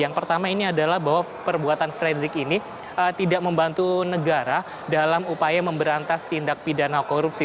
yang pertama ini adalah bahwa perbuatan fredrik ini tidak membantu negara dalam upaya memberantas tindak pidana korupsi